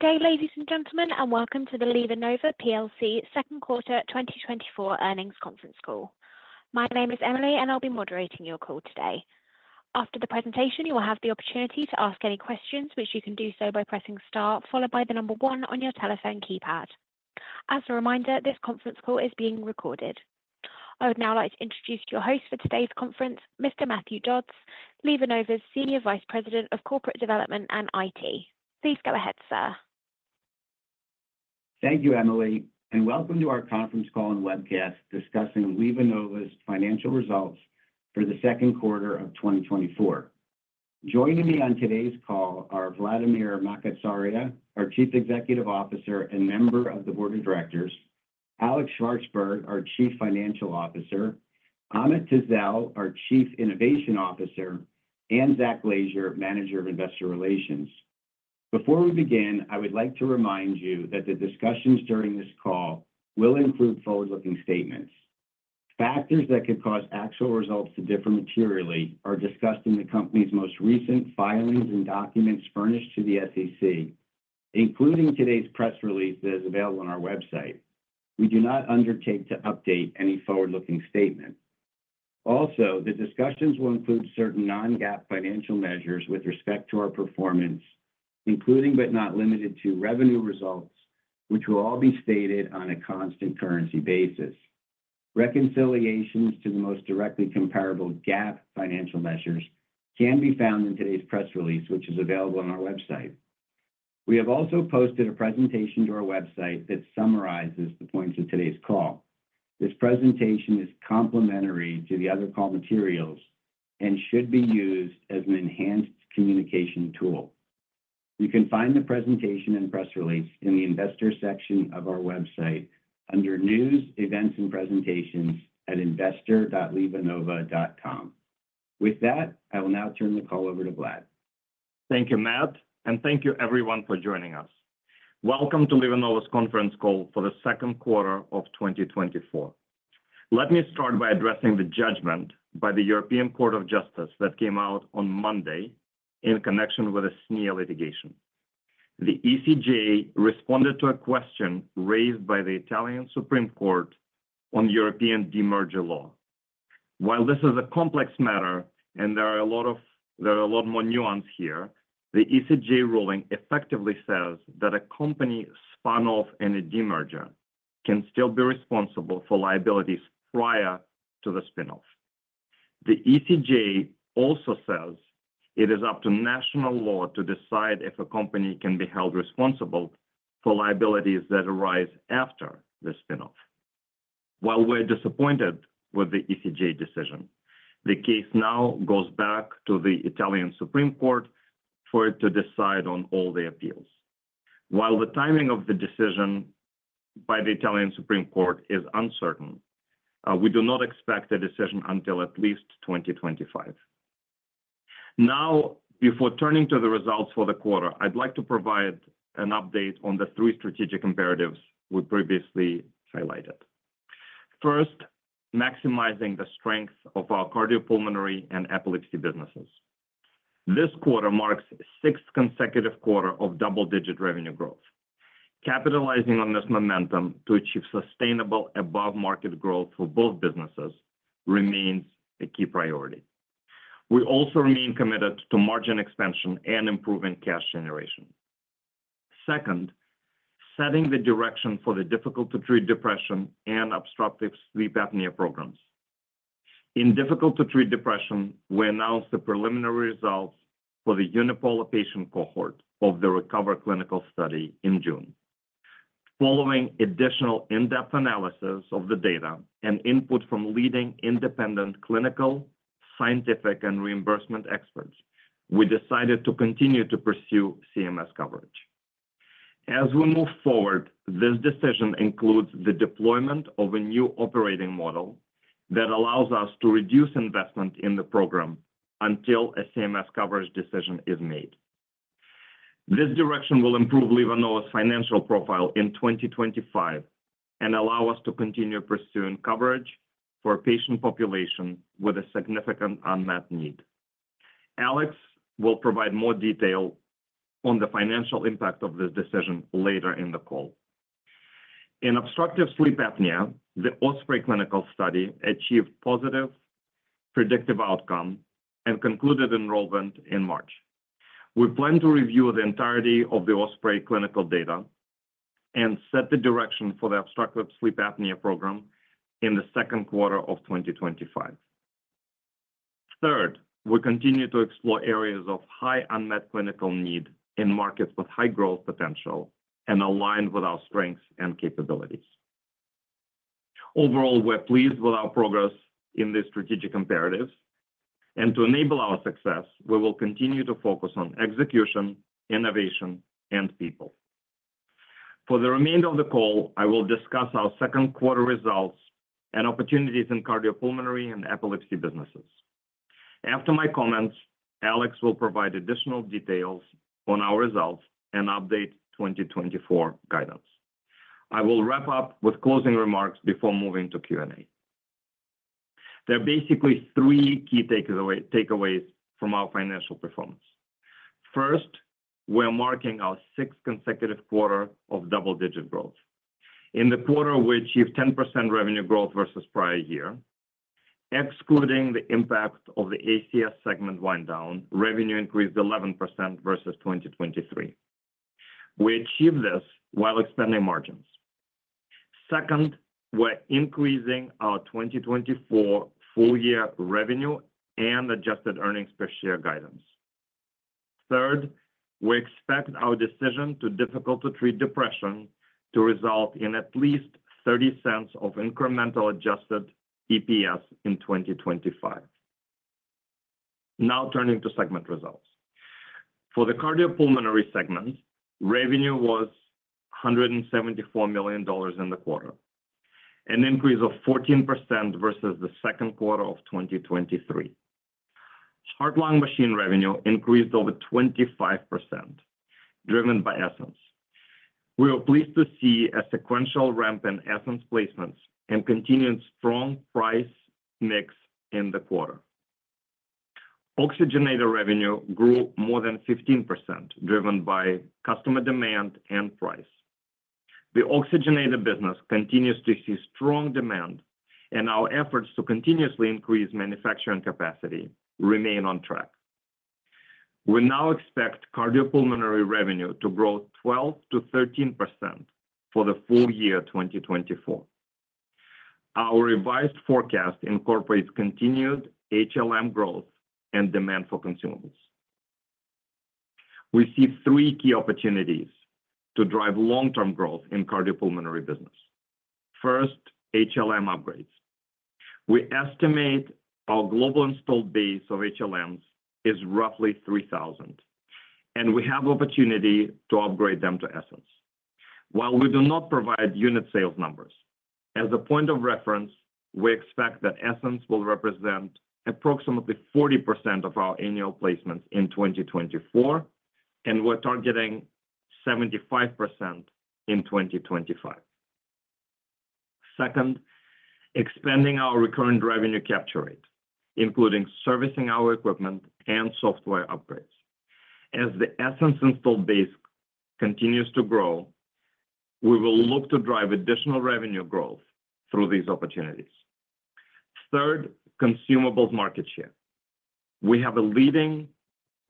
Good day, ladies and gentlemen, and welcome to the LivaNova PLC Second Quarter 2024 Earnings Conference Call. My name is Emily, and I'll be moderating your call today. After the presentation, you will have the opportunity to ask any questions, which you can do so by pressing star, followed by the number one on your telephone keypad. As a reminder, this conference call is being recorded. I would now like to introduce your host for today's conference, Mr. Matthew Dodds, LivaNova's Senior Vice President of Corporate Development and IT. Please go ahead, sir. Thank you, Emily, and welcome to our conference call and webcast discussing LivaNova's financial results for the second quarter of 2024. Joining me on today's call are Vladimir Makatsaria, our Chief Executive Officer and member of the Board of Directors, Alex Shvartsburg, our Chief Financial Officer, Ahmet Tezel, our Chief Innovation Officer, and Zach Glazier, Manager of Investor Relations. Before we begin, I would like to remind you that the discussions during this call will include forward-looking statements. Factors that could cause actual results to differ materially are discussed in the company's most recent filings and documents furnished to the SEC, including today's press release that is available on our website. We do not undertake to update any forward-looking statement. Also, the discussions will include certain non-GAAP financial measures with respect to our performance, including but not limited to revenue results, which will all be stated on a constant currency basis. Reconciliations to the most directly comparable GAAP financial measures can be found in today's press release, which is available on our website. We have also posted a presentation to our website that summarizes the points of today's call. This presentation is complementary to the other call materials and should be used as an enhanced communication tool. You can find the presentation and press release in the Investor section of our website under News, Events, and Presentations at investor.livanova.com. With that, I will now turn the call over to Vlad. Thank you, Matt, and thank you, everyone, for joining us. Welcome to LivaNova's conference call for the second quarter of 2024. Let me start by addressing the judgment by the European Court of Justice that came out on Monday in connection with a SNIA litigation. The ECJ responded to a question raised by the Italian Supreme Court on European demerger law. While this is a complex matter and there are a lot more nuances here, the ECJ ruling effectively says that a company spun off in a demerger can still be responsible for liabilities prior to the spin-off. The ECJ also says it is up to national law to decide if a company can be held responsible for liabilities that arise after the spin-off. While we're disappointed with the ECJ decision, the case now goes back to the Italian Supreme Court for it to decide on all the appeals. While the timing of the decision by the Italian Supreme Court is uncertain, we do not expect a decision until at least 2025. Now, before turning to the results for the quarter, I'd like to provide an update on the three strategic imperatives we previously highlighted. First, maximizing the strength of our cardiopulmonary and epilepsy businesses. This quarter marks the sixth consecutive quarter of double-digit revenue growth. Capitalizing on this momentum to achieve sustainable above-market growth for both businesses remains a key priority. We also remain committed to margin expansion and improving cash generation. Second, setting the direction for the difficult-to-treat depression and obstructive sleep apnea programs. In difficult-to-treat depression, we announced the preliminary results for the unipolar patient cohort of the RECOVER clinical study in June. Following additional in-depth analysis of the data and input from leading independent clinical, scientific, and reimbursement experts, we decided to continue to pursue CMS coverage. As we move forward, this decision includes the deployment of a new operating model that allows us to reduce investment in the program until a CMS coverage decision is made. This direction will improve LivaNova's financial profile in 2025 and allow us to continue pursuing coverage for a patient population with a significant unmet need. Alex will provide more detail on the financial impact of this decision later in the call. In obstructive sleep apnea, the OSPREY clinical study achieved positive predictive outcome and concluded enrollment in March. We plan to review the entirety of the OSPREY clinical data and set the direction for the obstructive sleep apnea program in the second quarter of 2025. Third, we continue to explore areas of high unmet clinical need in markets with high growth potential and aligned with our strengths and capabilities. Overall, we're pleased with our progress in the strategic imperatives, and to enable our success, we will continue to focus on execution, innovation, and people. For the remainder of the call, I will discuss our second quarter results and opportunities in cardiopulmonary and epilepsy businesses. After my comments, Alex will provide additional details on our results and update 2024 guidance. I will wrap up with closing remarks before moving to Q&A. There are basically three key takeaways from our financial performance. First, we're marking our sixth consecutive quarter of double-digit growth. In the quarter, we achieved 10% revenue growth versus prior year. Excluding the impact of the ACS segment wind-down, revenue increased 11% versus 2023. We achieved this while expanding margins. Second, we're increasing our 2024 full-year revenue and adjusted earnings per share guidance. Third, we expect our decision to difficult-to-treat depression to result in at least $0.30 of incremental adjusted EPS in 2025. Now, turning to segment results. For the cardiopulmonary segment, revenue was $174 million in the quarter, an increase of 14% versus the second quarter of 2023. Heart-lung machine revenue increased over 25%, driven by Essenz. We were pleased to see a sequential ramp in Essenz placements and continued strong price mix in the quarter. Oxygenator revenue grew more than 15%, driven by customer demand and price. The oxygenator business continues to see strong demand, and our efforts to continuously increase manufacturing capacity remain on track. We now expect cardiopulmonary revenue to grow 12%-13% for the full year 2024. Our revised forecast incorporates continued HLM growth and demand for consumables. We see three key opportunities to drive long-term growth in cardiopulmonary business. First, HLM upgrades. We estimate our global installed base of HLMs is roughly 3,000, and we have the opportunity to upgrade them to Essenz. While we do not provide unit sales numbers, as a point of reference, we expect that Essenz will represent approximately 40% of our annual placements in 2024, and we're targeting 75% in 2025. Second, expanding our recurring revenue capture rate, including servicing our equipment and software upgrades. As the Essenz installed base continues to grow, we will look to drive additional revenue growth through these opportunities. Third, consumables market share. We have a leading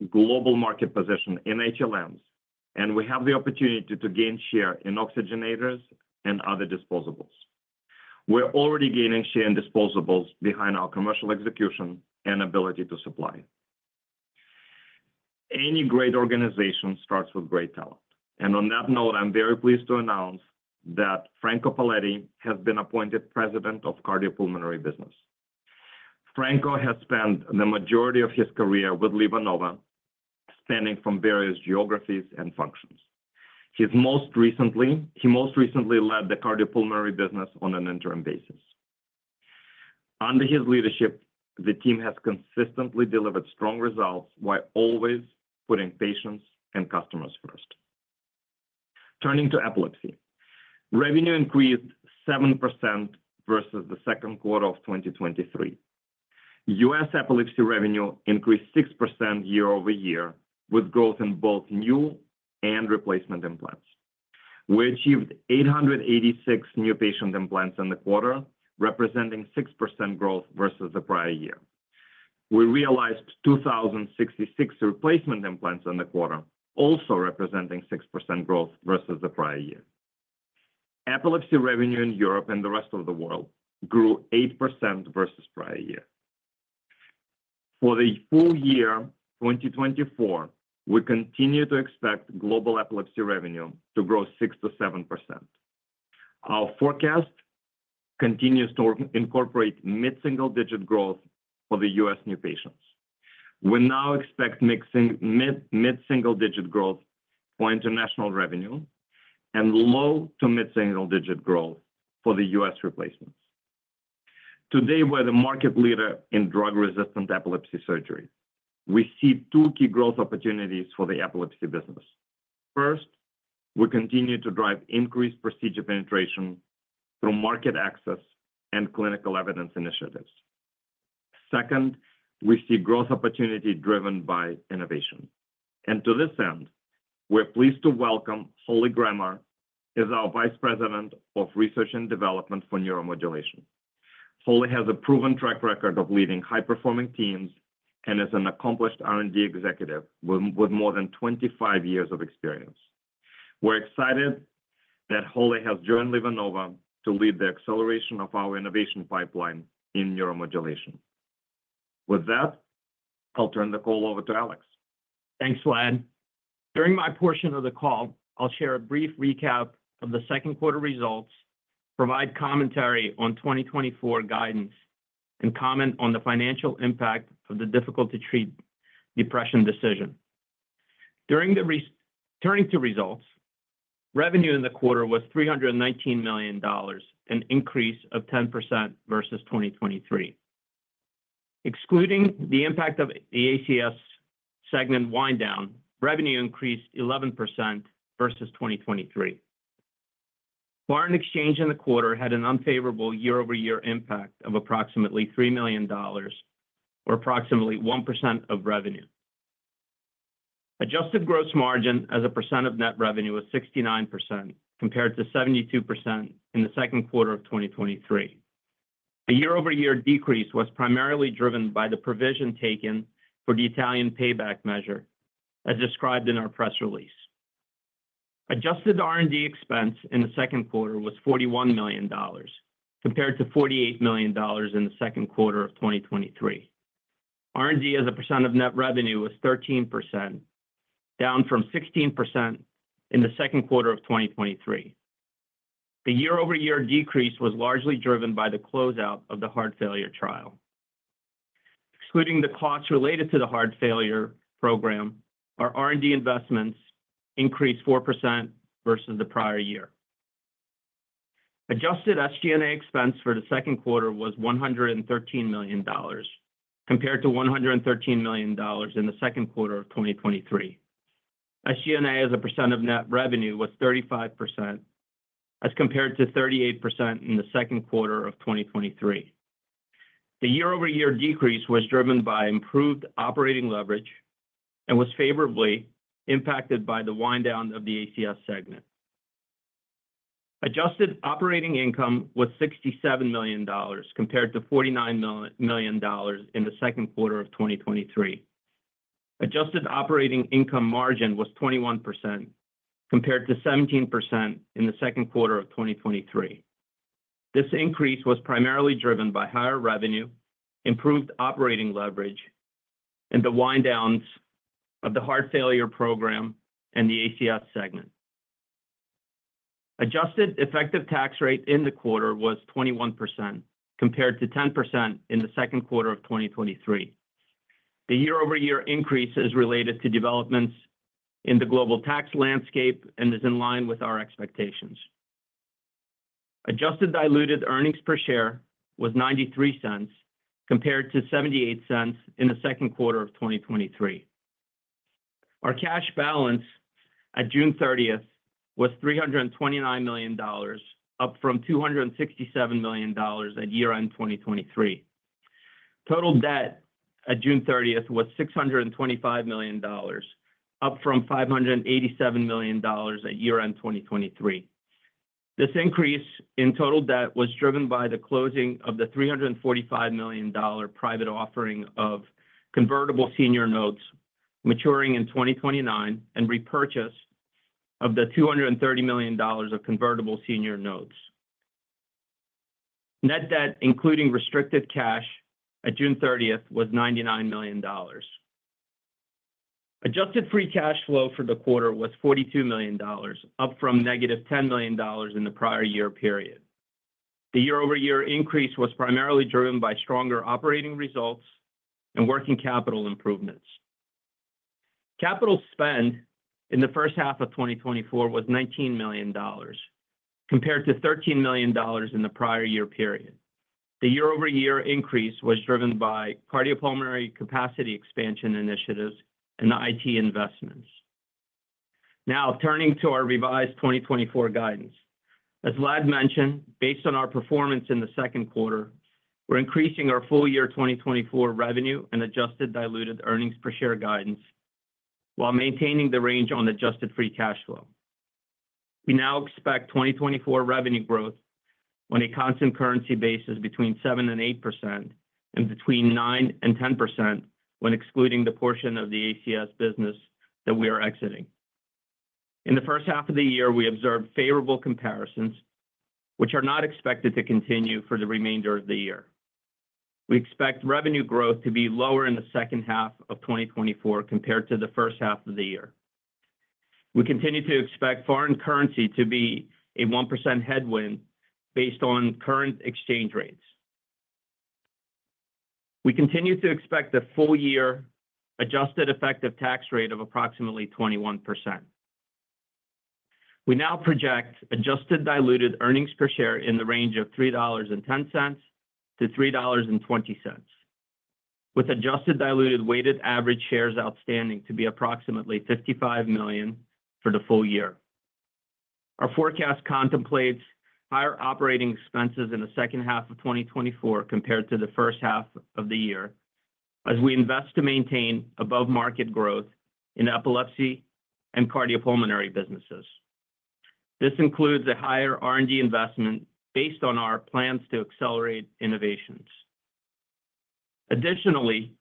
global market position in HLMs, and we have the opportunity to gain share in oxygenators and other disposables. We're already gaining share in disposables behind our commercial execution and ability to supply. Any great organization starts with great talent. And on that note, I'm very pleased to announce that Franco Vallanti has been appointed President of Cardiopulmonary Business. Franco has spent the majority of his career with LivaNova, spanning from various geographies and functions. He most recently led the cardiopulmonary business on an interim basis. Under his leadership, the team has consistently delivered strong results while always putting patients and customers first. Turning to epilepsy, revenue increased 7% versus the second quarter of 2023. U.S. epilepsy revenue increased 6% year-over-year, with growth in both new and replacement implants. We achieved 886 new patient implants in the quarter, representing 6% growth versus the prior year. We realized 2,066 replacement implants in the quarter, also representing 6% growth versus the prior year. Epilepsy revenue in Europe and the rest of the world grew 8% versus the prior year. For the full year 2024, we continue to expect global epilepsy revenue to grow 6%-7%. Our forecast continues to incorporate mid-single-digit growth for the U.S. new patients. We now expect mid-single-digit growth for international revenue and low to mid-single-digit growth for the U.S. replacements. Today, we're the market leader in drug-resistant epilepsy surgery. We see two key growth opportunities for the epilepsy business. First, we continue to drive increased procedure penetration through market access and clinical evidence initiatives. Second, we see growth opportunity driven by innovation. To this end, we're pleased to welcome Holly Grammer as our Vice President of Research and Development for Neuromodulation. Holly has a proven track record of leading high-performing teams and is an accomplished R&D executive with more than 25 years of experience. We're excited that Holly has joined LivaNova to lead the acceleration of our innovation pipeline in neuromodulation. With that, I'll turn the call over to Alex. Thanks, Vlad. During my portion of the call, I'll share a brief recap of the second quarter results, provide commentary on 2024 guidance, and comment on the financial impact of the difficult-to-treat depression decision. Turning to results, revenue in the quarter was $319 million, an increase of 10% versus 2023. Excluding the impact of the ACS segment wind-down, revenue increased 11% versus 2023. Foreign exchange in the quarter had an unfavorable year-over-year impact of approximately $3 million, or approximately 1% of revenue. Adjusted gross margin as a percent of net revenue was 69%, compared to 72% in the second quarter of 2023. The year-over-year decrease was primarily driven by the provision taken for the Italian Payback measure, as described in our press release. Adjusted R&D expense in the second quarter was $41 million, compared to $48 million in the second quarter of 2023. R&D as a percent of net revenue was 13%, down from 16% in the second quarter of 2023. The year-over-year decrease was largely driven by the closeout of the heart failure trial. Excluding the costs related to the heart failure program, our R&D investments increased 4% versus the prior year. Adjusted SG&A expense for the second quarter was $113 million, compared to $113 million in the second quarter of 2023. SG&A as a percent of net revenue was 35%, as compared to 38% in the second quarter of 2023. The year-over-year decrease was driven by improved operating leverage and was favorably impacted by the wind-down of the ACS segment. Adjusted operating income was $67 million, compared to $49 million in the second quarter of 2023. Adjusted operating income margin was 21%, compared to 17% in the second quarter of 2023. This increase was primarily driven by higher revenue, improved operating leverage, and the wind-downs of the heart failure program and the ACS segment. Adjusted effective tax rate in the quarter was 21%, compared to 10% in the second quarter of 2023. The year-over-year increase is related to developments in the global tax landscape and is in line with our expectations. Adjusted diluted earnings per share was $0.93, compared to $0.78 in the second quarter of 2023. Our cash balance at June 30 was $329 million, up from $267 million at year-end 2023. Total debt at June 30 was $625 million, up from $587 million at year-end 2023. This increase in total debt was driven by the closing of the $345 million private offering of convertible senior notes maturing in 2029 and repurchase of the $230 million of convertible senior notes. Net debt, including restricted cash, at June 30 was $99 million. Adjusted free cash flow for the quarter was $42 million, up from -$10 million in the prior year period. The year-over-year increase was primarily driven by stronger operating results and working capital improvements. Capital spend in the first half of 2024 was $19 million, compared to $13 million in the prior year period. The year-over-year increase was driven by cardiopulmonary capacity expansion initiatives and IT investments. Now, turning to our revised 2024 guidance. As Vlad mentioned, based on our performance in the second quarter, we're increasing our full year 2024 revenue and adjusted diluted earnings per share guidance while maintaining the range on adjusted free cash flow. We now expect 2024 revenue growth on a constant currency basis between 7% and 8% and between 9% and 10% when excluding the portion of the ACS business that we are exiting. In the first half of the year, we observed favorable comparisons, which are not expected to continue for the remainder of the year. We expect revenue growth to be lower in the second half of 2024 compared to the first half of the year. We continue to expect foreign currency to be a 1% headwind based on current exchange rates. We continue to expect the full-year adjusted effective tax rate of approximately 21%. We now project adjusted diluted earnings per share in the range of $3.10-$3.20, with adjusted diluted weighted average shares outstanding to be approximately 55 million for the full year. Our forecast contemplates higher operating expenses in the second half of 2024 compared to the first half of the year, as we invest to maintain above-market growth in epilepsy and cardiopulmonary businesses. This includes a higher R&D investment based on our plans to accelerate innovations. Additionally,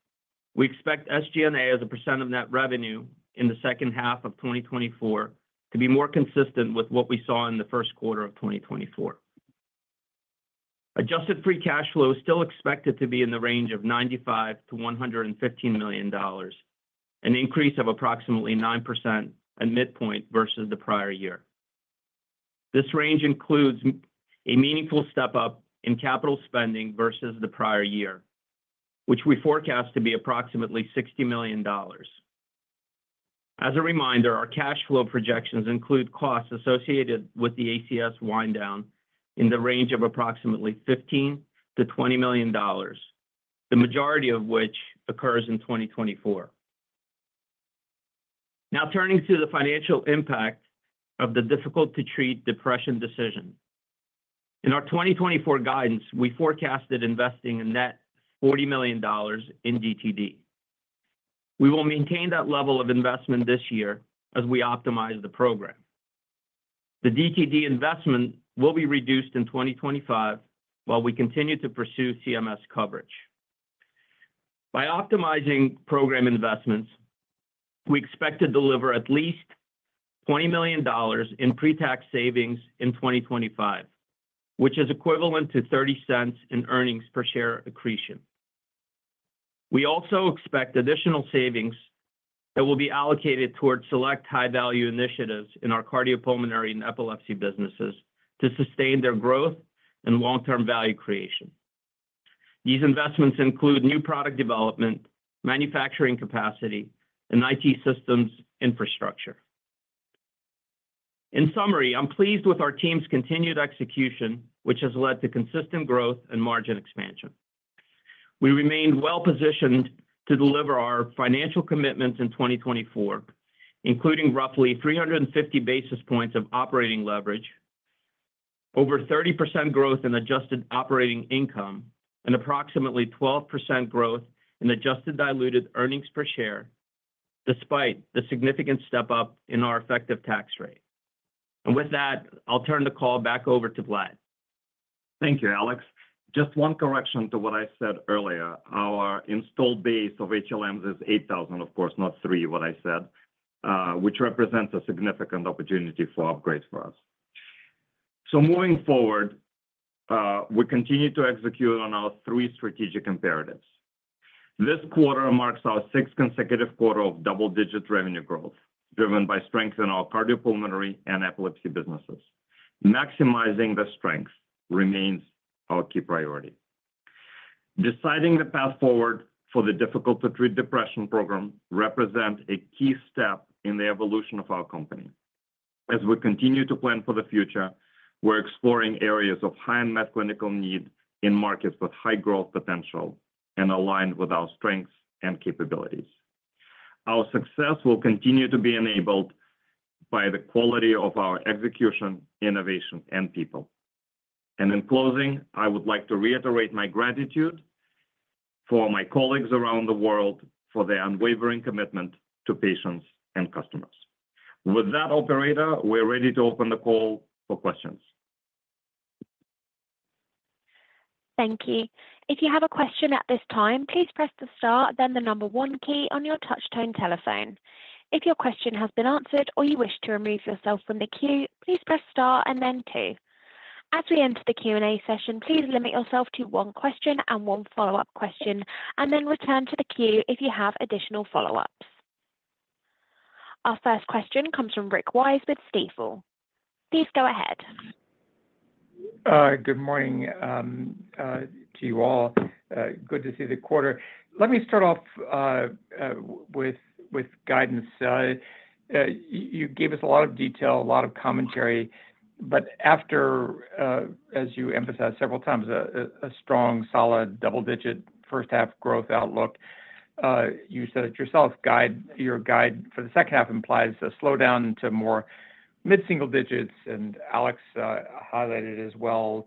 we expect SG&A as a % of net revenue in the second half of 2024 to be more consistent with what we saw in the first quarter of 2024. Adjusted free cash flow is still expected to be in the range of $95 million-$115 million, an increase of approximately 9% at midpoint versus the prior year. This range includes a meaningful step up in capital spending versus the prior year, which we forecast to be approximately $60 million. As a reminder, our cash flow projections include costs associated with the ACS wind-down in the range of approximately $15 million-$20 million, the majority of which occurs in 2024. Now, turning to the financial impact of the difficult-to-treat depression decision. In our 2024 guidance, we forecasted investing a net $40 million in DTD. We will maintain that level of investment this year as we optimize the program. The DTD investment will be reduced in 2025 while we continue to pursue CMS coverage. By optimizing program investments, we expect to deliver at least $20 million in pre-tax savings in 2025, which is equivalent to $0.30 in earnings per share accretion. We also expect additional savings that will be allocated towards select high-value initiatives in our cardiopulmonary and epilepsy businesses to sustain their growth and long-term value creation. These investments include new product development, manufacturing capacity, and IT systems infrastructure. In summary, I'm pleased with our team's continued execution, which has led to consistent growth and margin expansion. We remained well-positioned to deliver our financial commitments in 2024, including roughly 350 basis points of operating leverage, over 30% growth in adjusted operating income, and approximately 12% growth in adjusted diluted earnings per share, despite the significant step up in our effective tax rate. With that, I'll turn the call back over to Vlad. Thank you, Alex. Just one correction to what I said earlier. Our installed base of HLMs is 8,000, of course, not 3, what I said, which represents a significant opportunity for upgrades for us. So moving forward, we continue to execute on our 3 strategic imperatives. This quarter marks our sixth consecutive quarter of double-digit revenue growth, driven by strength in our cardiopulmonary and epilepsy businesses. Maximizing the strength remains our key priority. Deciding the path forward for the difficult-to-treat depression program represents a key step in the evolution of our company. As we continue to plan for the future, we're exploring areas of high unmet clinical need in markets with high growth potential and aligned with our strengths and capabilities. Our success will continue to be enabled by the quality of our execution, innovation, and people. In closing, I would like to reiterate my gratitude for my colleagues around the world for their unwavering commitment to patients and customers. With that, operator, we're ready to open the call for questions. Thank you. If you have a question at this time, please press the star, then the number one key on your touch-tone telephone. If your question has been answered or you wish to remove yourself from the queue, please press star and then two. As we enter the Q&A session, please limit yourself to one question and one follow-up question, and then return to the queue if you have additional follow-ups. Our first question comes from Rick Wise with Stifel. Please go ahead. Good morning to you all. Good to see the quarter. Let me start off with guidance. You gave us a lot of detail, a lot of commentary, but after, as you emphasized several times, a strong, solid double-digit first-half growth outlook, you said it yourself, your guide for the second half implies a slowdown to more mid-single digits. Alex highlighted as well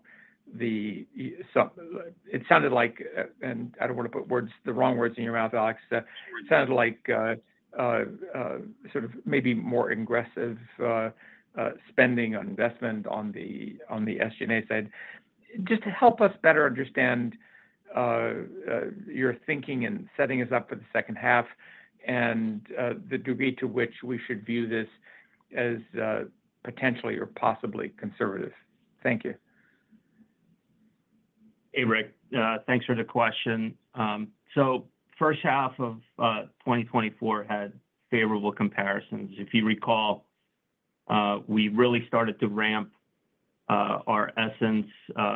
that it sounded like, and I don't want to put the wrong words in your mouth, Alex, it sounded like sort of maybe more aggressive spending on investment on the SG&A side. Just to help us better understand your thinking in setting us up for the second half and the degree to which we should view this as potentially or possibly conservative? Thank you. Hey, Rick. Thanks for the question. So first half of 2024 had favorable comparisons. If you recall, we really started to ramp our Essenz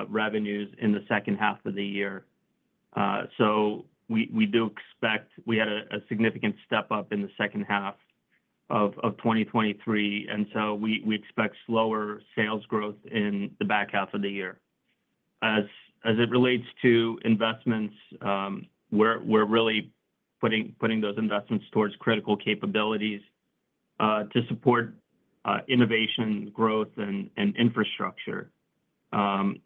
revenues in the second half of the year. So we do expect we had a significant step up in the second half of 2023. And so we expect slower sales growth in the back half of the year. As it relates to investments, we're really putting those investments towards critical capabilities to support innovation, growth, and infrastructure. And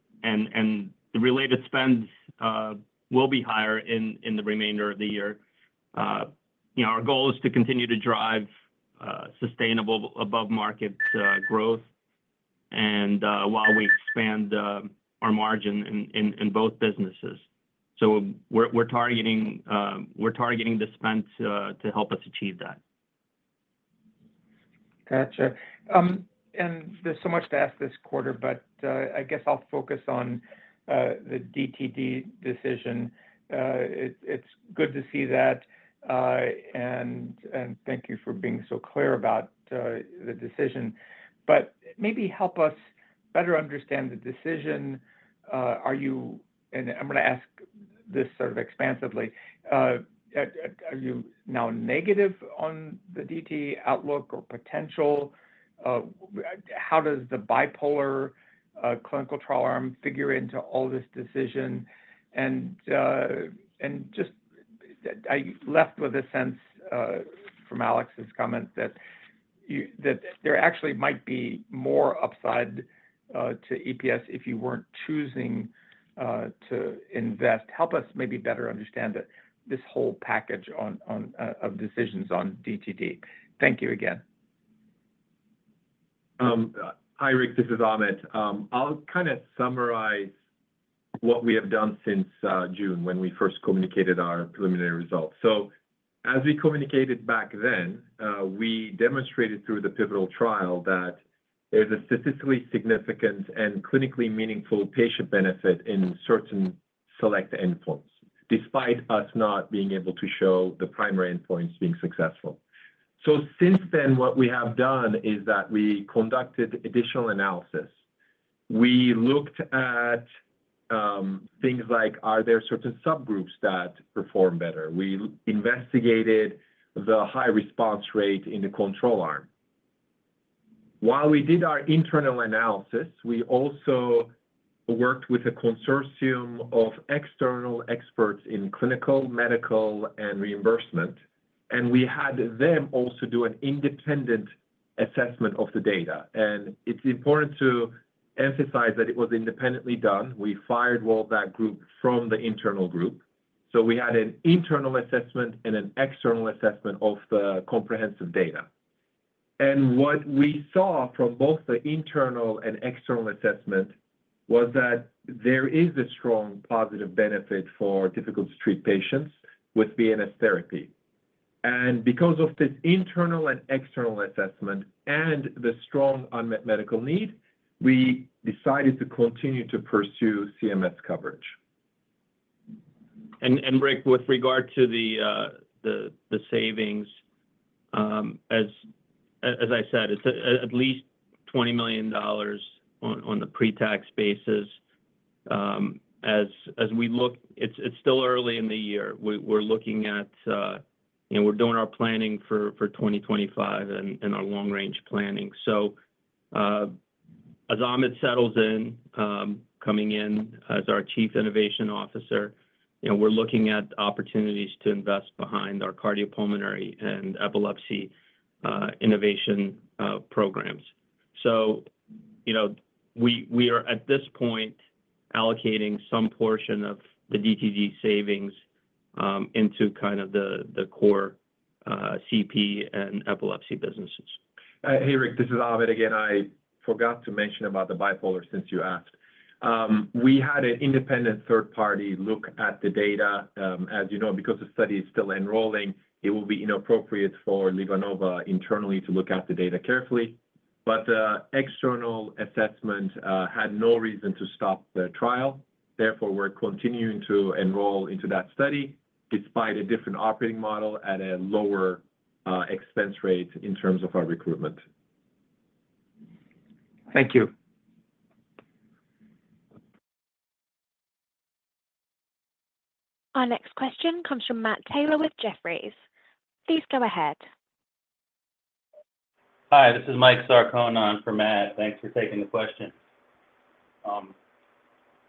the related spend will be higher in the remainder of the year. Our goal is to continue to drive sustainable above-market growth while we expand our margin in both businesses. So we're targeting the spend to help us achieve that. Gotcha. And there's so much to ask this quarter, but I guess I'll focus on the DTD decision. It's good to see that. And thank you for being so clear about the decision. But maybe help us better understand the decision. And I'm going to ask this sort of expansively. Are you now negative on the DTD outlook or potential? How does the bipolar clinical trial arm figure into all this decision? And just I'm left with a sense from Alex's comment that there actually might be more upside to EPS if you weren't choosing to invest. Help us maybe better understand this whole package of decisions on DTD. Thank you again. Hi, Rick. This is Ahmet. I'll kind of summarize what we have done since June when we first communicated our preliminary results. So as we communicated back then, we demonstrated through the pivotal trial that there's a statistically significant and clinically meaningful patient benefit in certain select endpoints, despite us not being able to show the primary endpoints being successful. So since then, what we have done is that we conducted additional analysis. We looked at things like, are there certain subgroups that perform better? We investigated the high response rate in the control arm. While we did our internal analysis, we also worked with a consortium of external experts in clinical, medical, and reimbursement. And we had them also do an independent assessment of the data. And it's important to emphasize that it was independently done. We fired all that group from the internal group. So we had an internal assessment and an external assessment of the comprehensive data. And what we saw from both the internal and external assessment was that there is a strong positive benefit for difficult-to-treat patients with VNS Therapy. And because of this internal and external assessment and the strong unmet medical need, we decided to continue to pursue CMS coverage. And Rick, with regard to the savings, as I said, it's at least $20 million on the pre-tax basis. As we look, it's still early in the year. We're looking at we're doing our planning for 2025 and our long-range planning. So as Ahmet settles in, coming in as our Chief Innovation Officer, we're looking at opportunities to invest behind our cardiopulmonary and epilepsy innovation programs. So we are, at this point, allocating some portion of the DTD savings into kind of the core CP and epilepsy businesses. Hey, Rick, this is Ahmet again. I forgot to mention about the bipolar since you asked. We had an independent third-party look at the data. As you know, because the study is still enrolling, it will be inappropriate for LivaNova internally to look at the data carefully. But the external assessment had no reason to stop the trial. Therefore, we're continuing to enroll into that study despite a different operating model at a lower expense rate in terms of our recruitment. Thank you. Our next question comes from Matt Taylor with Jefferies. Please go ahead. Hi, this is Mike Sarcone. I'm from Matt. Thanks for taking the question.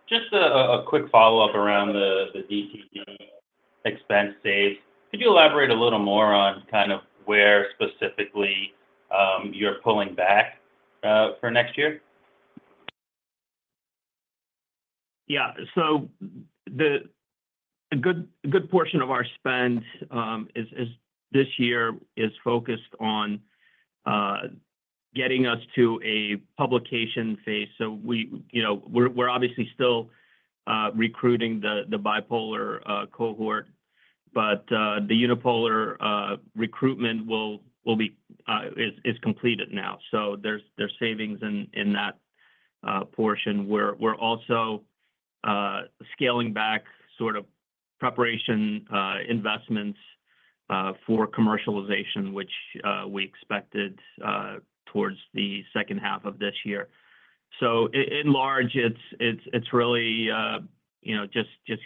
Just a quick follow-up around the DTD expense saves. Could you elaborate a little more on kind of where specifically you're pulling back for next year? Yeah. So a good portion of our spend this year is focused on getting us to a publication phase. So we're obviously still recruiting the bipolar cohort, but the unipolar recruitment is completed now. So there's savings in that portion. We're also scaling back sort of preparation investments for commercialization, which we expected towards the second half of this year. So in large, it's really just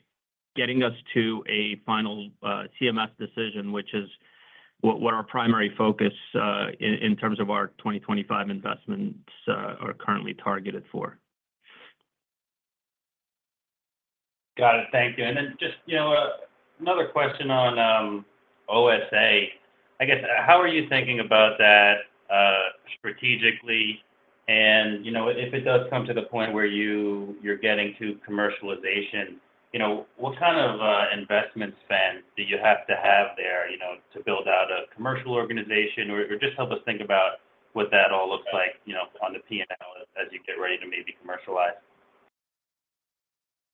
getting us to a final CMS decision, which is what our primary focus in terms of our 2025 investments are currently targeted for. Got it. Thank you. And then just another question on OSA. I guess, how are you thinking about that strategically? And if it does come to the point where you're getting to commercialization, what kind of investment spend do you have to have there to build out a commercial organization? Or just help us think about what that all looks like on the P&L as you get ready to maybe commercialize?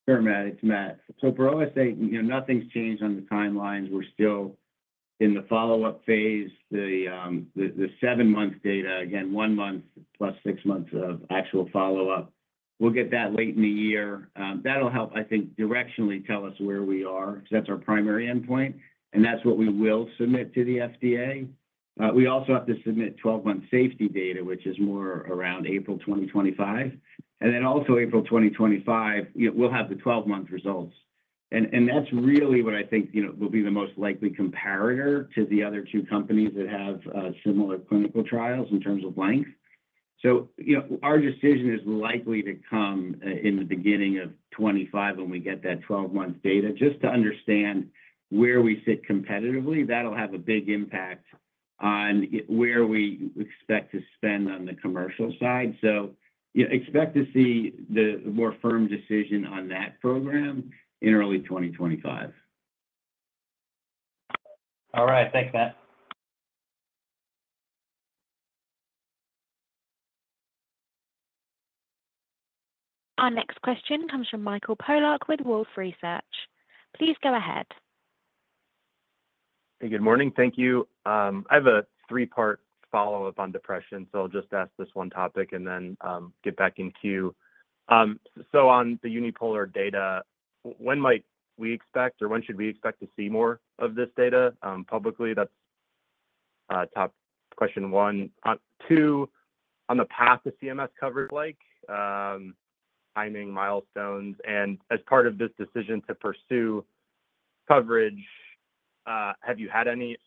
Sure, Matt. It's Matt. So for OSA, nothing's changed on the timelines. We're still in the follow-up phase. The 7-month data, again, 1 month plus 6 months of actual follow-up. We'll get that late in the year. That'll help, I think, directionally tell us where we are because that's our primary endpoint. And that's what we will submit to the FDA. We also have to submit 12-month safety data, which is more around April 2025. And then also April 2025, we'll have the 12-month results. And that's really what I think will be the most likely comparator to the other two companies that have similar clinical trials in terms of length. So our decision is likely to come in the beginning of 2025 when we get that 12-month data just to understand where we sit competitively. That'll have a big impact on where we expect to spend on the commercial side. So expect to see the more firm decision on that program in early 2025. All right. Thanks, Matt. Our next question comes from Michael Polark with Wolfe Research. Please go ahead. Hey, good morning. Thank you. I have a three-part follow-up on depression. So I'll just ask this one topic and then get back in the queue. So on the unipolar data, when might we expect or when should we expect to see more of this data publicly? That's top question one. Two, on the path to CMS coverage, like timing milestones. And as part of this decision to pursue coverage, have you had any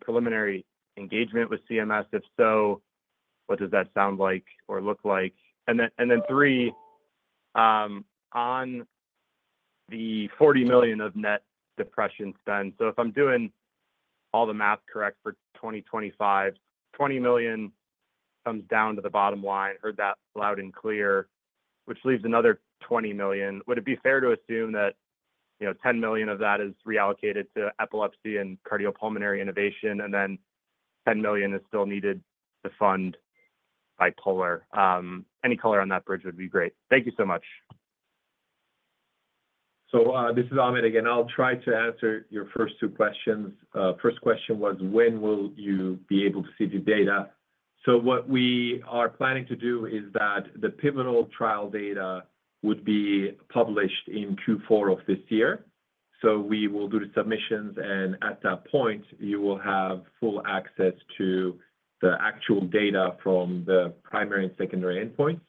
preliminary engagement with CMS? If so, what does that sound like or look like? And then three, on the $40 million of net depression spend. So if I'm doing all the math correct for 2025, $20 million comes down to the bottom line, heard that loud and clear, which leaves another $20 million. Would it be fair to assume that $10 million of that is reallocated to epilepsy and cardiopulmonary innovation, and then $10 million is still needed to fund bipolar? Any color on that bridge would be great. Thank you so much. So this is Ahmet again. I'll try to answer your first two questions. First question was, when will you be able to see the data? So what we are planning to do is that the pivotal trial data would be published in Q4 of this year. So we will do the submissions. And at that point, you will have full access to the actual data from the primary and secondary endpoints.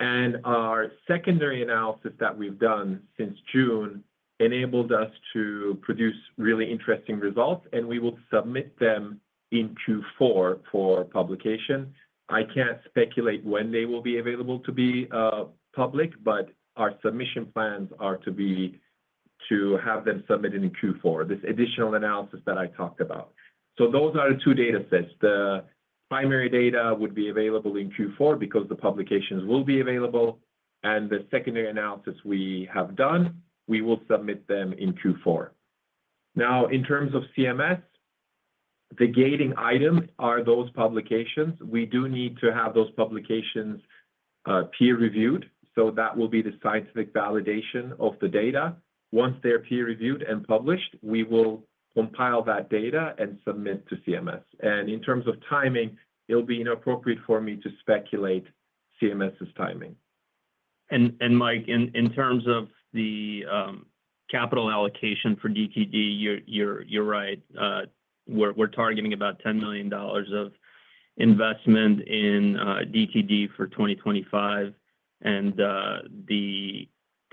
And our secondary analysis that we've done since June enabled us to produce really interesting results. And we will submit them in Q4 for publication. I can't speculate when they will be available to be public, but our submission plans are to have them submitted in Q4, this additional analysis that I talked about. So those are the two data sets. The primary data would be available in Q4 because the publications will be available. The secondary analysis we have done, we will submit them in Q4. Now, in terms of CMS, the gating item are those publications. We do need to have those publications peer-reviewed. So that will be the scientific validation of the data. Once they're peer-reviewed and published, we will compile that data and submit to CMS. In terms of timing, it'll be inappropriate for me to speculate CMS's timing. Mike, in terms of the capital allocation for DTD, you're right. We're targeting about $10 million of investment in DTD for 2025 and the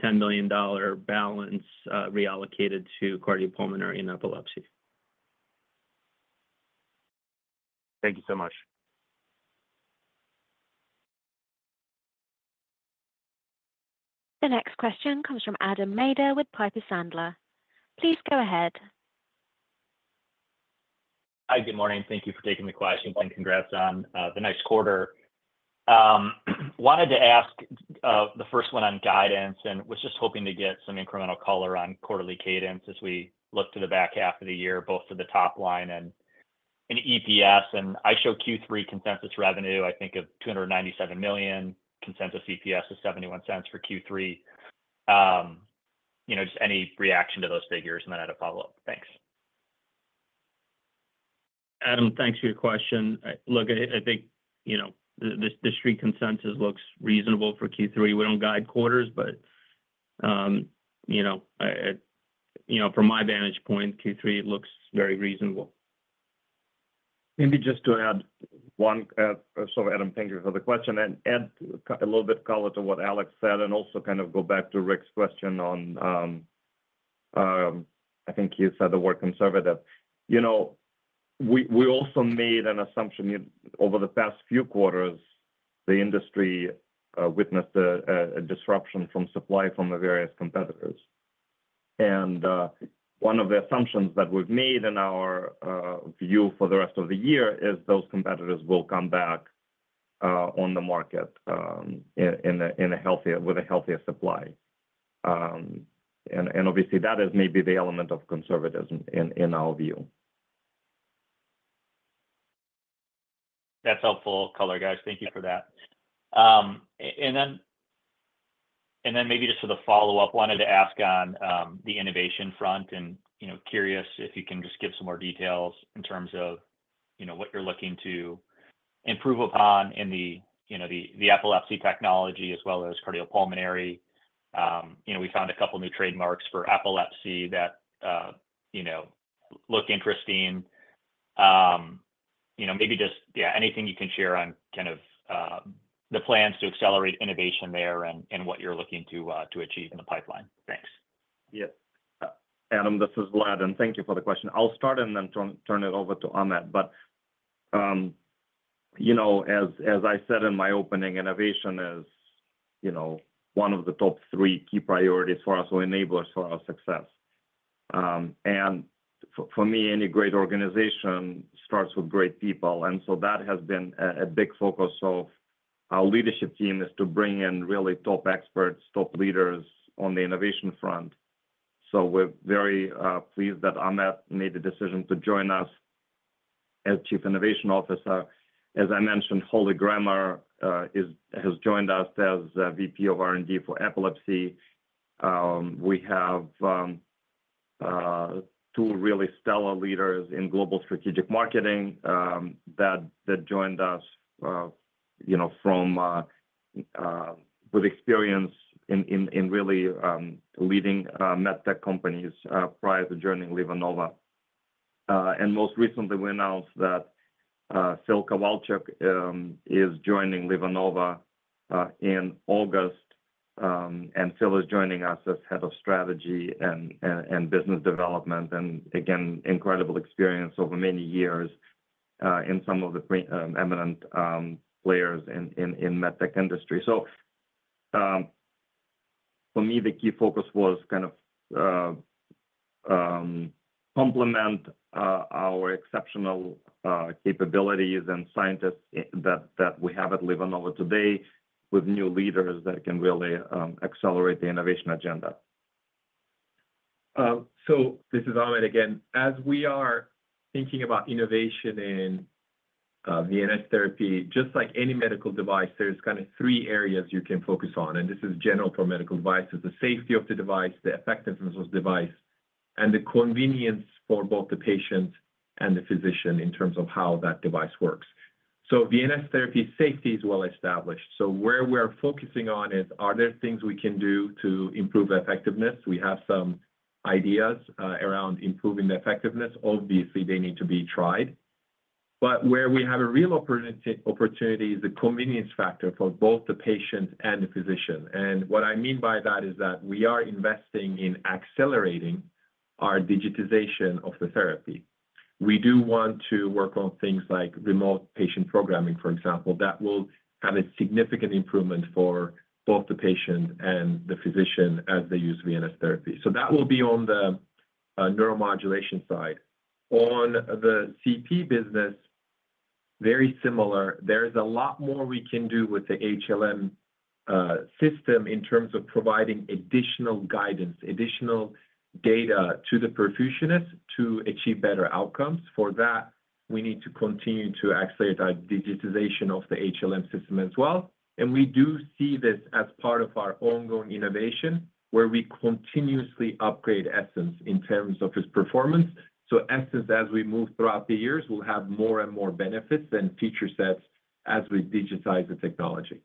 $10 million balance reallocated to cardiopulmonary and epilepsy. Thank you so much. The next question comes from Adam Maider with Piper Sandler. Please go ahead. Hi, good morning. Thank you for taking the question and congrats on the next quarter. Wanted to ask the first one on guidance and was just hoping to get some incremental color on quarterly cadence as we look to the back half of the year, both for the top line and EPS. And I show Q3 consensus revenue, I think, of $297 million. Consensus EPS is $0.71 for Q3. Just any reaction to those figures? And then I had a follow-up. Thanks. Adam, thanks for your question. Look, I think the street consensus looks reasonable for Q3. We don't guide quarters, but from my vantage point, Q3 looks very reasonable. Maybe just to add one - sorry, Adam, thank you for the question - and add a little bit of color to what Alex said and also kind of go back to Rick's question on, I think he said the word conservative. We also made an assumption over the past few quarters. The industry witnessed a disruption from supply from the various competitors. And one of the assumptions that we've made in our view for the rest of the year is those competitors will come back on the market with a healthier supply. And obviously, that is maybe the element of conservatism in our view. That's helpful, Color Guys. Thank you for that. And then maybe just for the follow-up, wanted to ask on the innovation front and curious if you can just give some more details in terms of what you're looking to improve upon in the epilepsy technology as well as cardiopulmonary. We found a couple of new trademarks for epilepsy that look interesting. Maybe just, yeah, anything you can share on kind of the plans to accelerate innovation there and what you're looking to achieve in the pipeline. Thanks. Yes. Adam, this is Vlad. And thank you for the question. I'll start and then turn it over to Ahmet. But as I said in my opening, innovation is one of the top three key priorities for us or enablers for our success. And for me, any great organization starts with great people. And so that has been a big focus of our leadership team is to bring in really top experts, top leaders on the innovation front. So we're very pleased that Ahmet made the decision to join us as Chief Innovation Officer. As I mentioned, Holly Grammer has joined us as VP of R&D for epilepsy. We have two really stellar leaders in global strategic marketing that joined us with experience in really leading med tech companies prior to joining LivaNova. And most recently, we announced that Phil Kowalczyk is joining LivaNova in August. Phil is joining us as head of strategy and business development and, again, incredible experience over many years in some of the eminent players in med tech industry. So for me, the key focus was kind of complement our exceptional capabilities and scientists that we have at LivaNova today with new leaders that can really accelerate the innovation agenda. So. This is Ahmet again. As we are thinking about innovation in VNS Therapy, just like any medical device, there's kind of three areas you can focus on. And this is general for medical devices: the safety of the device, the effectiveness of the device, and the convenience for both the patient and the physician in terms of how that device works. So VNS Therapy safety is well established. So where we're focusing on is, are there things we can do to improve effectiveness? We have some ideas around improving the effectiveness. Obviously, they need to be tried. But where we have a real opportunity is the convenience factor for both the patient and the physician. And what I mean by that is that we are investing in accelerating our digitization of the therapy. We do want to work on things like remote patient programming, for example, that will have a significant improvement for both the patient and the physician as they use VNS Therapy. So that will be on the neuromodulation side. On the CP business, very similar. There's a lot more we can do with the HLM system in terms of providing additional guidance, additional data to the perfusionist to achieve better outcomes. For that, we need to continue to accelerate our digitization of the HLM system as well. We do see this as part of our ongoing innovation where we continuously upgrade Essenz in terms of its performance. Essenz, as we move throughout the years, will have more and more benefits and feature sets as we digitize the technology.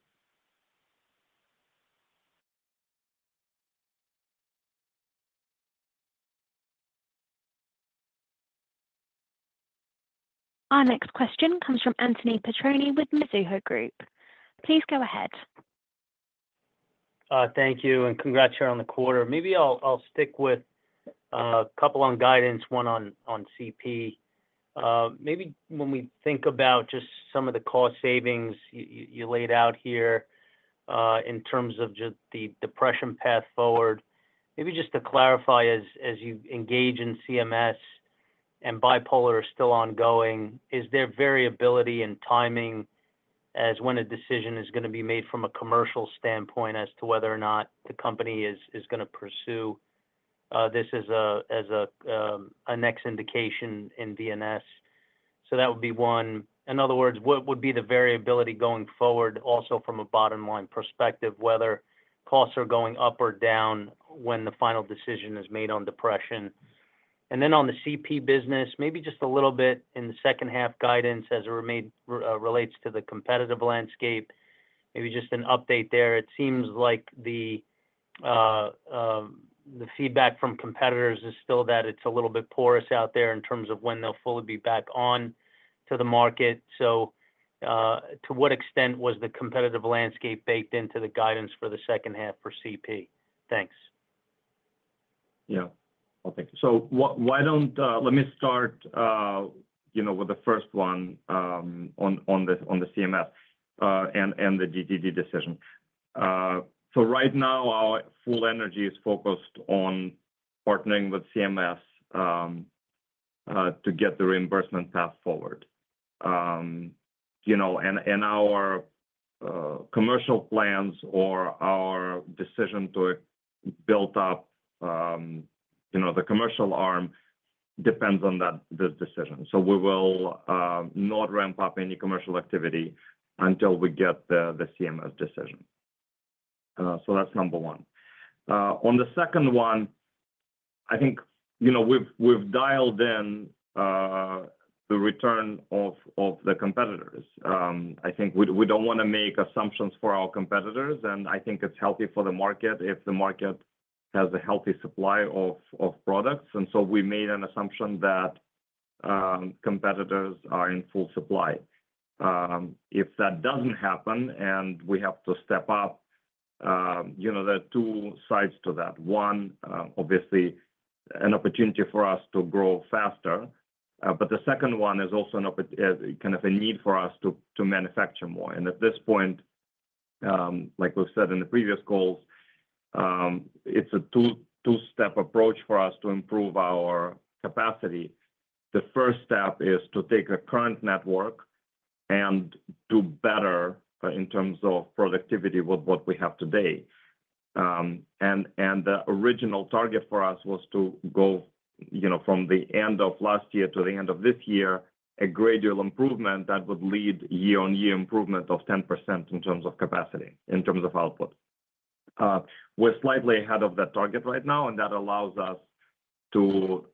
Our next question comes from Anthony Petroni with Mizuho Group. Please go ahead. Thank you. And congrats on the quarter. Maybe I'll stick with a couple on guidance, one on CP. Maybe when we think about just some of the cost savings you laid out here in terms of just the depression path forward, maybe just to clarify as you engage in CMS and bipolar is still ongoing, is there variability in timing as when a decision is going to be made from a commercial standpoint as to whether or not the company is going to pursue this as a next indication in VNS? So that would be one. In other words, what would be the variability going forward also from a bottom-line perspective, whether costs are going up or down when the final decision is made on depression? And then on the CP business, maybe just a little bit in the second-half guidance as it relates to the competitive landscape, maybe just an update there. It seems like the feedback from competitors is still that it's a little bit porous out there in terms of when they'll fully be back on to the market. So to what extent was the competitive landscape baked into the guidance for the second half for CP? Thanks. Yeah. Well, thank you. So let me start with the first one on the CMS and the DTD decision. So right now, our full energy is focused on partnering with CMS to get the reimbursement path forward. And our commercial plans or our decision to build up the commercial arm depends on this decision. So we will not ramp up any commercial activity until we get the CMS decision. So that's number one. On the second one, I think we've dialed in the return of the competitors. I think we don't want to make assumptions for our competitors. And I think it's healthy for the market if the market has a healthy supply of products. And so we made an assumption that competitors are in full supply. If that doesn't happen and we have to step up, there are two sides to that. One, obviously, an opportunity for us to grow faster. But the second one is also kind of a need for us to manufacture more. And at this point, like we've said in the previous calls, it's a two-step approach for us to improve our capacity. The first step is to take a current network and do better in terms of productivity with what we have today. And the original target for us was to go from the end of last year to the end of this year, a gradual improvement that would lead year-on-year improvement of 10% in terms of capacity, in terms of output. We're slightly ahead of that target right now. And that allows us to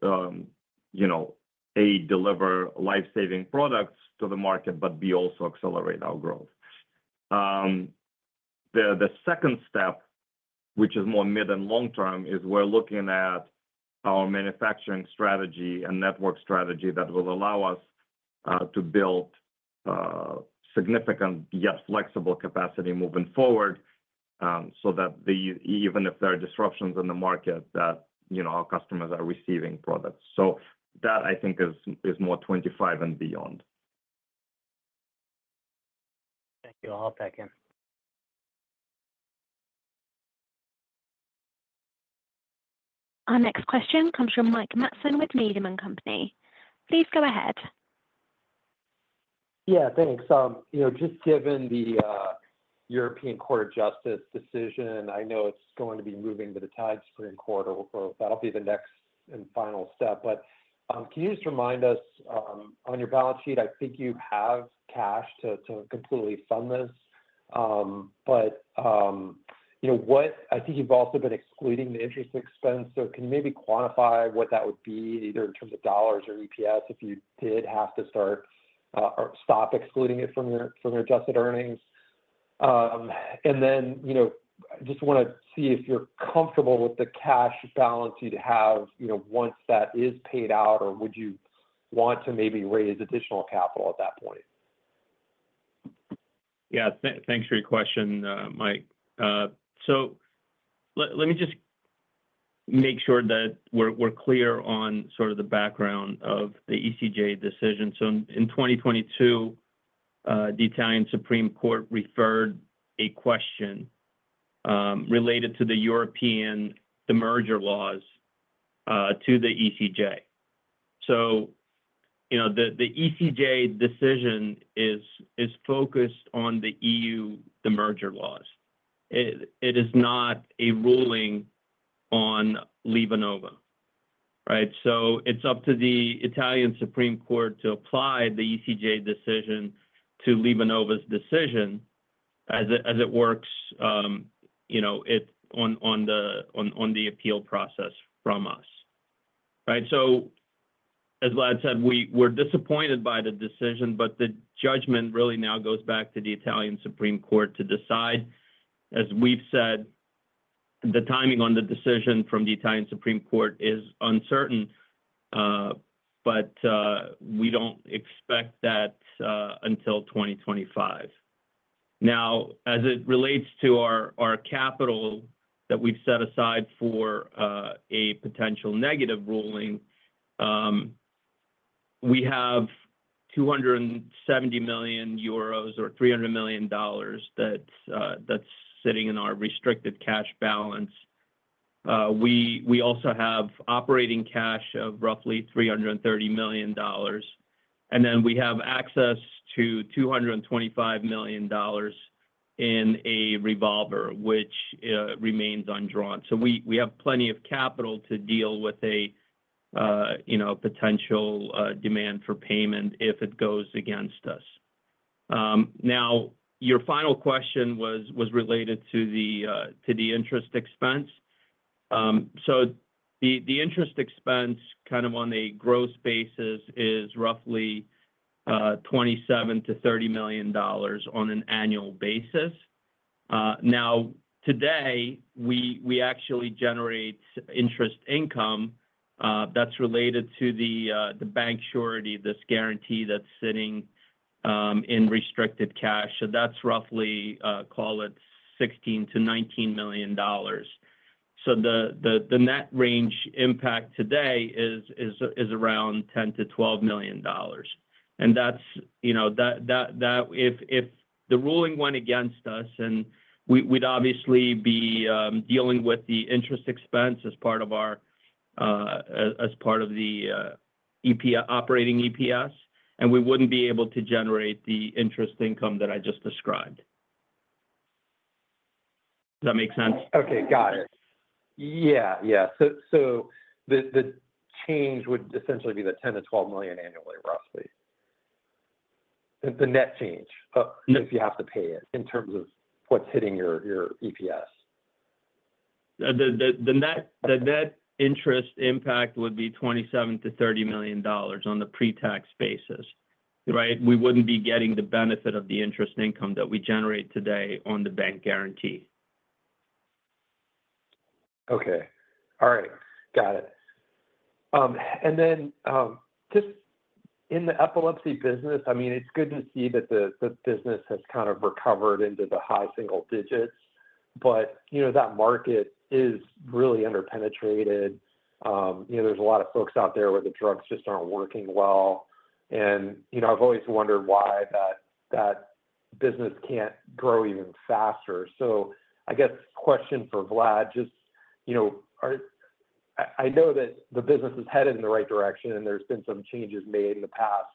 aid, deliver life-saving products to the market, but we also accelerate our growth. The second step, which is more mid and long-term, is we're looking at our manufacturing strategy and network strategy that will allow us to build significant yet flexible capacity moving forward so that even if there are disruptions in the market, our customers are receiving products. So that, I think, is more 2025 and beyond. Thank you all. Back in. Our next question comes from Mike Matson with Needham & Company. Please go ahead. Yeah. Thanks. Just given the European Court of Justice decision, I know it's going to be moving to the Italian Supreme Court. That'll be the next and final step. But can you just remind us on your balance sheet? I think you have cash to completely fund this. But I think you've also been excluding the interest expense. So can you maybe quantify what that would be either in terms of dollars or EPS if you did have to start or stop excluding it from your adjusted earnings? And then I just want to see if you're comfortable with the cash balance you'd have once that is paid out, or would you want to maybe raise additional capital at that point? Yeah. Thanks for your question, Mike. So let me just make sure that we're clear on sort of the background of the ECJ decision. So in 2022, the Italian Supreme Court referred a question related to the European merger laws to the ECJ. So the ECJ decision is focused on the EU, the merger laws. It is not a ruling on LivaNova, right? So it's up to the Italian Supreme Court to apply the ECJ decision to LivaNova's decision as it works on the appeal process from us, right? So as Vlad said, we're disappointed by the decision, but the judgment really now goes back to the Italian Supreme Court to decide. As we've said, the timing on the decision from the Italian Supreme Court is uncertain, but we don't expect that until 2025. Now, as it relates to our capital that we've set aside for a potential negative ruling, we have 270 million euros or $300 million that's sitting in our restricted cash balance. We also have operating cash of roughly $330 million. And then we have access to $225 million in a revolver, which remains undrawn. So we have plenty of capital to deal with a potential demand for payment if it goes against us. Now, your final question was related to the interest expense. So the interest expense kind of on a gross basis is roughly $27 million-$30 million on an annual basis. Now, today, we actually generate interest income that's related to the bank surety, this guarantee that's sitting in restricted cash. So that's roughly, call it $16 million-$19 million. So the net range impact today is around $10 million-$12 million. That's if the ruling went against us, and we'd obviously be dealing with the interest expense as part of our operating EPS, and we wouldn't be able to generate the interest income that I just described. Does that make sense? Okay. Got it. Yeah. Yeah. So the change would essentially be the $10 million-$12 million annually, roughly. The net change if you have to pay it in terms of what's hitting your EPS. The net interest impact would be $27 million-$30 million on the pre-tax basis, right? We wouldn't be getting the benefit of the interest income that we generate today on the bank guarantee. Okay. All right. Got it. And then just in the epilepsy business, I mean, it's good to see that the business has kind of recovered into the high single digits. But that market is really underpenetrated. There's a lot of folks out there where the drugs just aren't working well. And I've always wondered why that business can't grow even faster. So I guess question for Vlad, just I know that the business is headed in the right direction, and there's been some changes made in the past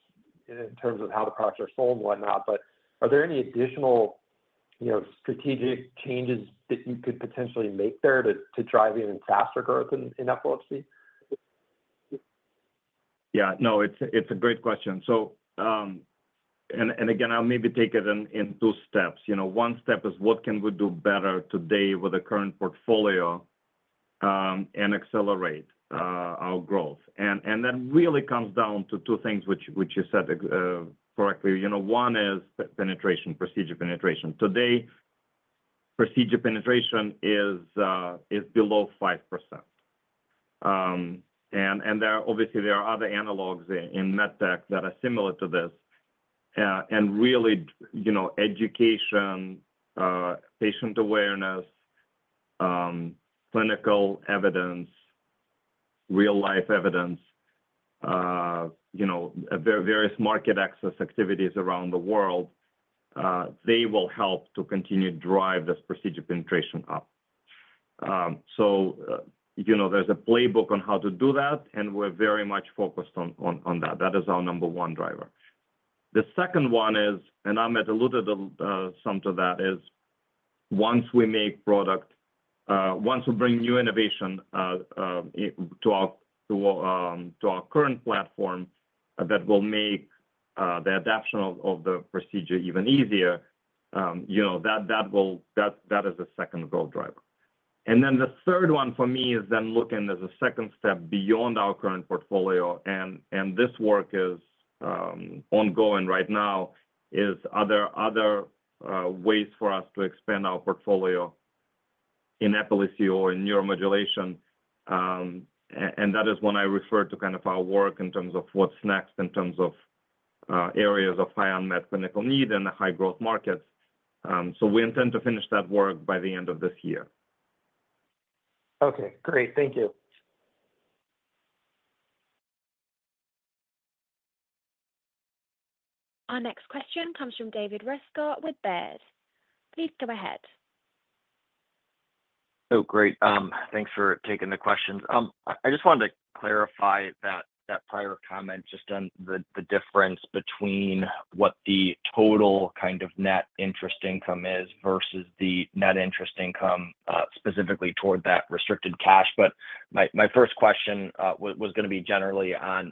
in terms of how the products are sold and whatnot. But are there any additional strategic changes that you could potentially make there to drive even faster growth in epilepsy? Yeah. No, it's a great question. And again, I'll maybe take it in two steps. One step is what can we do better today with the current portfolio and accelerate our growth? And that really comes down to two things, which you said correctly. One is penetration, procedure penetration. Today, procedure penetration is below 5%. And obviously, there are other analogs in med tech that are similar to this. And really, education, patient awareness, clinical evidence, real-life evidence, various market access activities around the world, they will help to continue to drive this procedure penetration up. So there's a playbook on how to do that, and we're very much focused on that. That is our number one driver. The second one is, and I might allude to some of that, is once we make product, once we bring new innovation to our current platform that will make the adoption of the procedure even easier, that is the second growth driver. And then the third one for me is then looking as a second step beyond our current portfolio. And this work is ongoing right now, is other ways for us to expand our portfolio in epilepsy or in neuromodulation. And that is when I refer to kind of our work in terms of what's next in terms of areas of high unmet clinical need and the high-growth markets. So we intend to finish that work by the end of this year. Okay. Great. Thank you. Our next question comes from David Rescott with Baird. Please go ahead. Oh, great. Thanks for taking the questions. I just wanted to clarify that prior comment just on the difference between what the total kind of net interest income is versus the net interest income specifically toward that restricted cash. But my first question was going to be generally on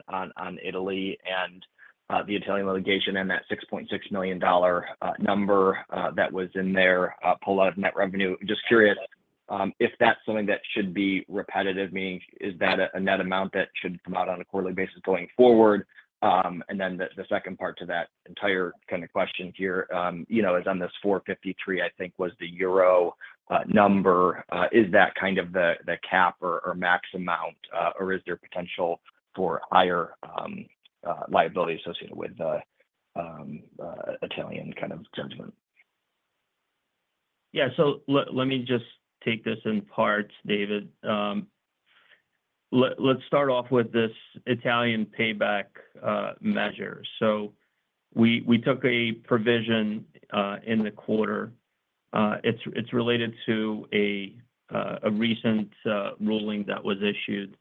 Italy and the Italian litigation and that $6.6 million number that was in their pullout of net revenue. Just curious if that's something that should be repetitive, meaning is that a net amount that should come out on a quarterly basis going forward? And then the second part to that entire kind of question here is on this 453, I think was the euro number. Is that kind of the cap or max amount, or is there potential for higher liability associated with the Italian kind of judgment? Yeah. So let me just take this in parts, David. Let's start off with this Italian payback measure. So we took a provision in the quarter. It's related to a recent ruling that was issued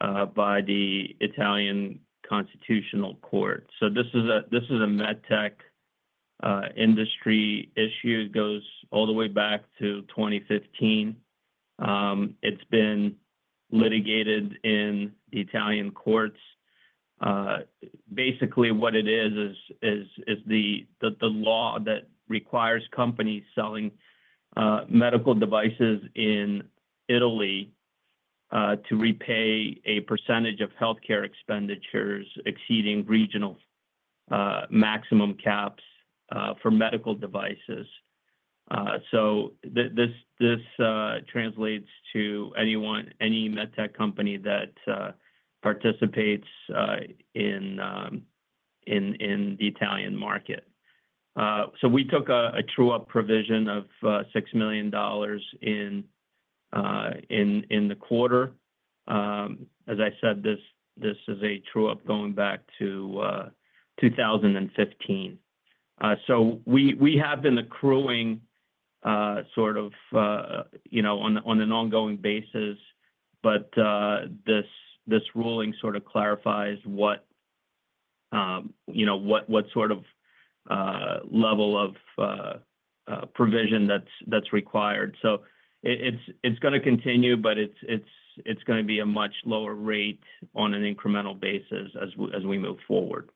by the Italian Constitutional Court. So this is a med tech industry issue. It goes all the way back to 2015. It's been litigated in the Italian courts. Basically, what it is, is the law that requires companies selling medical devices in Italy to repay a percentage of healthcare expenditures exceeding regional maximum caps for medical devices. So this translates to any med tech company that participates in the Italian market. So we took a true-up provision of $6 million in the quarter. As I said, this is a true-up going back to 2015. So we have been accruing sort of on an ongoing basis, but this ruling sort of clarifies what sort of level of provision that's required. So it's going to continue, but it's going to be a much lower rate on an incremental basis as we move forward.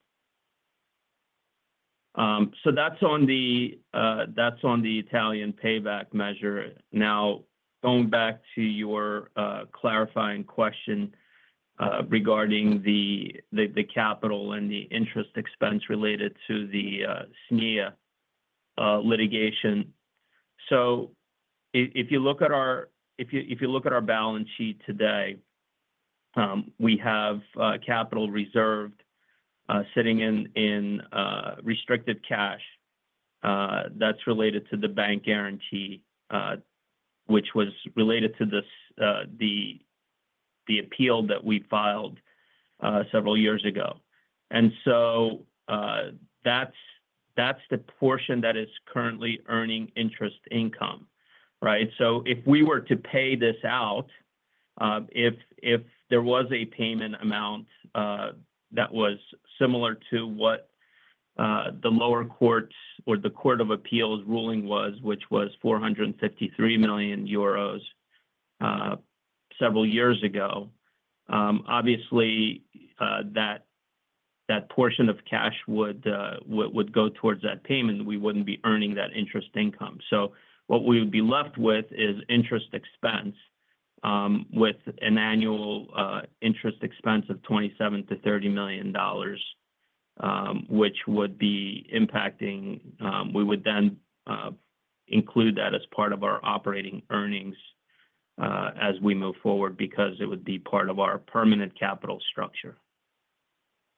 So that's on the Italian payback measure. Now, going back to your clarifying question regarding the capital and the interest expense related to the SNIA litigation. So if you look at our balance sheet today, we have capital reserved sitting in restricted cash. That's related to the bank guarantee, which was related to the appeal that we filed several years ago. And so that's the portion that is currently earning interest income, right? So if we were to pay this out, if there was a payment amount that was similar to what the lower court or the Court of Appeals ruling was, which was 453 million euros several years ago, obviously, that portion of cash would go towards that payment. We wouldn't be earning that interest income. So what we would be left with is interest expense with an annual interest expense of $27 million-$30 million, which would be impacting we would then include that as part of our operating earnings as we move forward because it would be part of our permanent capital structure.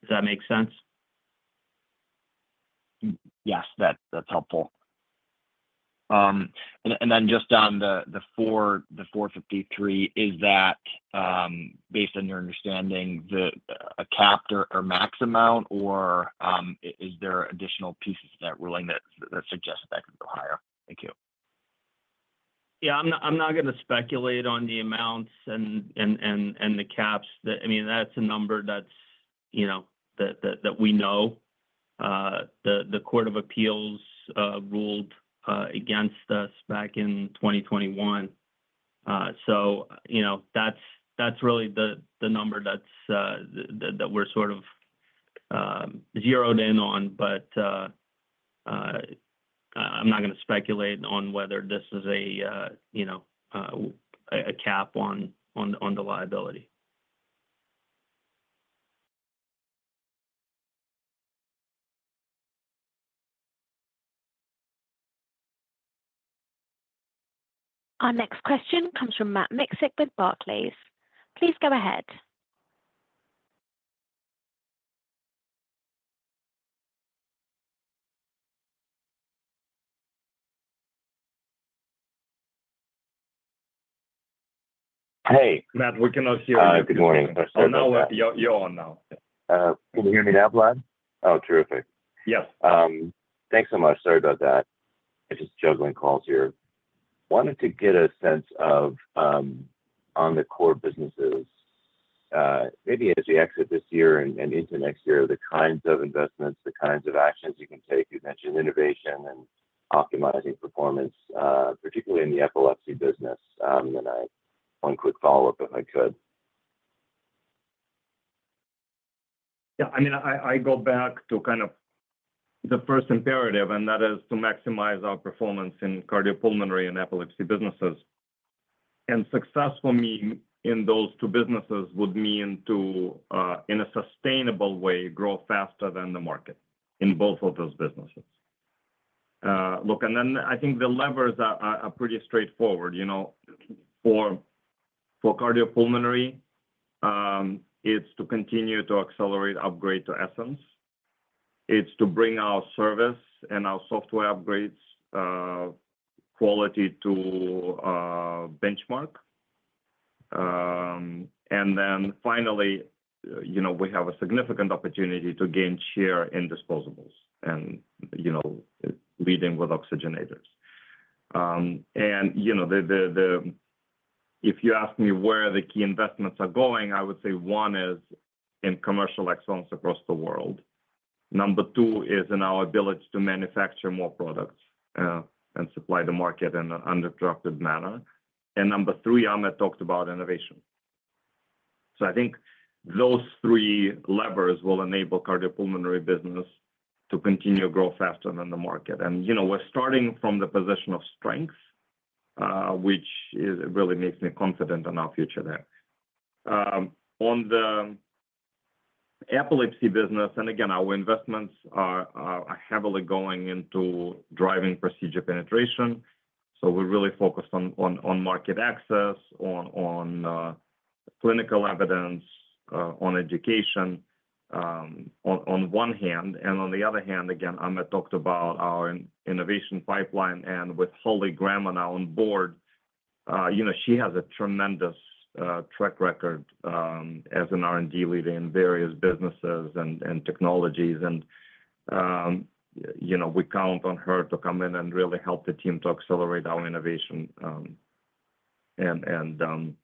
Does that make sense? Yes. That's helpful. And then just on the 453, is that, based on your understanding, a cap or max amount, or is there additional pieces to that ruling that suggests that could go higher? Thank you. Yeah. I'm not going to speculate on the amounts and the caps. I mean, that's a number that we know. The Court of Appeals ruled against us back in 2021. So that's really the number that we're sort of zeroed in on. But I'm not going to speculate on whether this is a cap on the liability. Our next question comes from Matt Miksic with Barclays. Please go ahead. Hey, Matt. We cannot hear you. Good morning. I know you're on now. Can you hear me now, Vlad? Oh, terrific. Yes. Thanks so much. Sorry about that. I'm just juggling calls here. Wanted to get a sense of, on the core businesses, maybe as we exit this year and into next year, the kinds of investments, the kinds of actions you can take. You mentioned innovation and optimizing performance, particularly in the epilepsy business. And then one quick follow-up, if I could. Yeah. I mean, I go back to kind of the first imperative, and that is to maximize our performance in cardiopulmonary and epilepsy businesses. Success for me in those two businesses would mean to, in a sustainable way, grow faster than the market in both of those businesses. Look, and then I think the levers are pretty straightforward. For cardiopulmonary, it's to continue to accelerate upgrade to Essenz. It's to bring our service and our software upgrades' quality to benchmark. And then finally, we have a significant opportunity to gain share in disposables and leading with oxygenators. And if you ask me where the key investments are going, I would say one is in commercial excellence across the world. Number two is in our ability to manufacture more products and supply the market in an uninterrupted manner. And number three, Ahmet talked about innovation. So I think those three levers will enable cardiopulmonary business to continue to grow faster than the market. And we're starting from the position of strength, which really makes me confident in our future there. On the epilepsy business, and again, our investments are heavily going into driving procedure penetration. So we're really focused on market access, on clinical evidence, on education on one hand. And on the other hand, again, Ahmet talked about our innovation pipeline. And with Holly Grammer on our board, she has a tremendous track record as an R&D leader in various businesses and technologies. And we count on her to come in and really help the team to accelerate our innovation. And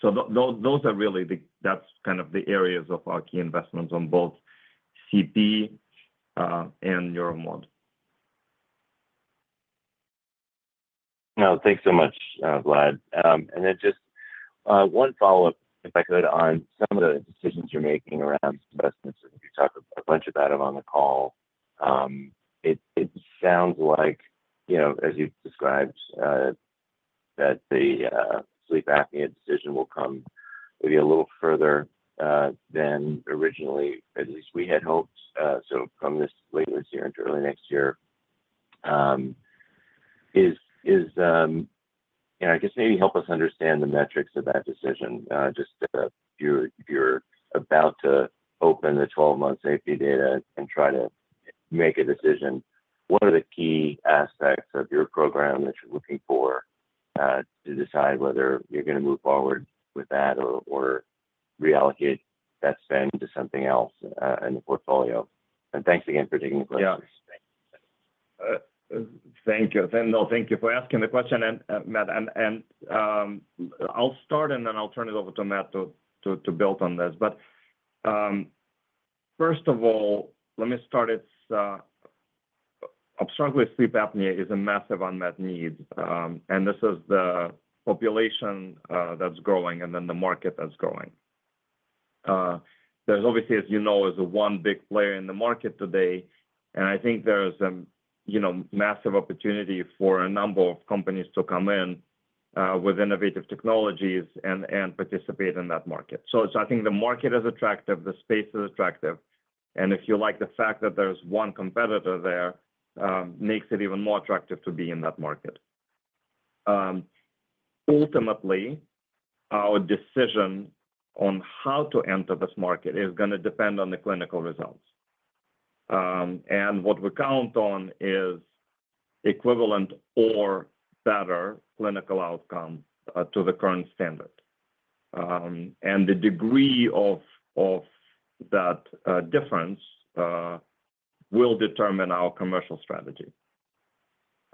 so those are really that's kind of the areas of our key investments on both CP and Neuromod. No, thanks so much, Vlad. And then just one follow-up, if I could, on some of the decisions you're making around investments. You talked a bunch of that on the call. It sounds like, as you described, that the sleep apnea decision will come maybe a little further than originally, at least we had hoped. So from this late this year into early next year, is and I guess maybe help us understand the metrics of that decision. Just if you're about to open the 12-month safety data and try to make a decision, what are the key aspects of your program that you're looking for to decide whether you're going to move forward with that or reallocate that spend to something else in the portfolio? And thanks again for taking the question. Thank you. Thank you. Thank you for asking the question, Matt, and I'll start, and then I'll turn it over to Matt to build on this. But first of all, let me start. Obstructive sleep apnea is a massive unmet need. This is the population that's growing and then the market that's growing. There's obviously, as you know, one big player in the market today. I think there's a massive opportunity for a number of companies to come in with innovative technologies and participate in that market. So I think the market is attractive. The space is attractive. If you like the fact that there's one competitor there, it makes it even more attractive to be in that market. Ultimately, our decision on how to enter this market is going to depend on the clinical results. What we count on is equivalent or better clinical outcome to the current standard. The degree of that difference will determine our commercial strategy.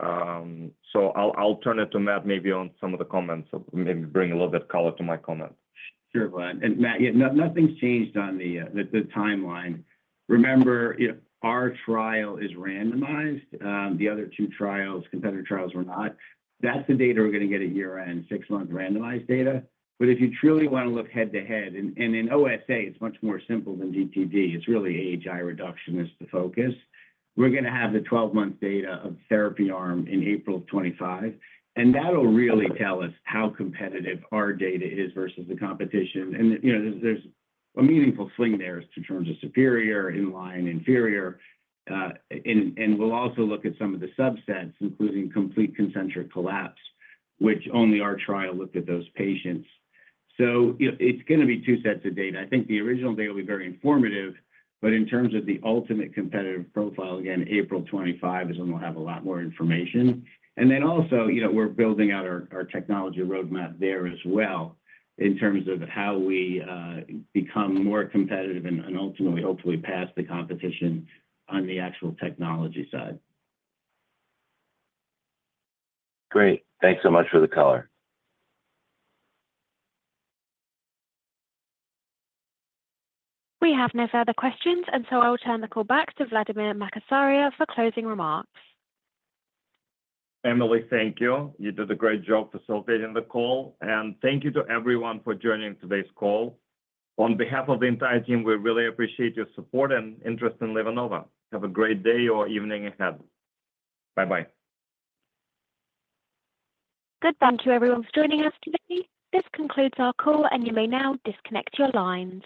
I'll turn it to Matt maybe on some of the comments or maybe bring a little bit of color to my comment. Sure, Vlad. And Matt, nothing's changed on the timeline. Remember, our trial is randomized. The other two trials, competitor trials, were not. That's the data we're going to get at year-end, 6-month randomized data. But if you truly want to look head-to-head, and in OSA, it's much more simple than DTD. It's really AHI reduction is the focus. We're going to have the 12-month data of therapy arm in April of 2025. And that'll really tell us how competitive our data is versus the competition. And there's a meaningful swing there in terms of superior, inline, inferior. And we'll also look at some of the subsets, including complete concentric collapse, which only our trial looked at those patients. So it's going to be two sets of data. I think the original data will be very informative. But in terms of the ultimate competitive profile, again, April 2025 is when we'll have a lot more information. And then also, we're building out our technology roadmap there as well in terms of how we become more competitive and ultimately, hopefully, pass the competition on the actual technology side. Great. Thanks so much for the color. We have no further questions, and so I will turn the call back to Vladimir Makatsaria for closing remarks. Emily, thank you. You did a great job facilitating the call. Thank you to everyone for joining today's call. On behalf of the entire team, we really appreciate your support and interest in LivaNova. Have a great day or evening ahead. Bye-bye. Good. Thank you, everyone, for joining us today. This concludes our call, and you may now disconnect your lines.